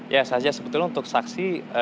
ya saja sebetulnya untuk saksi